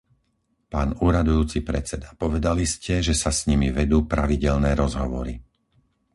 Pán úradujúci predseda, povedali ste, že sa s nimi vedú pravidelné rozhovory.